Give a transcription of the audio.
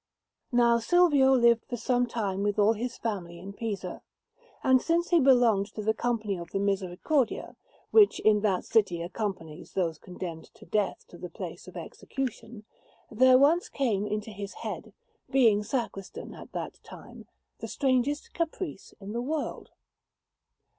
Now Silvio lived for some time with all his family in Pisa; and since he belonged to the Company of the Misericordia, which in that city accompanies those condemned to death to the place of execution, there once came into his head, being sacristan at that time, the strangest caprice in the world.